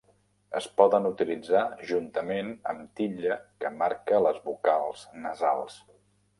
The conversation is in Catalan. Es poden utilitzar juntament amb titlla que marca les vocals nasals.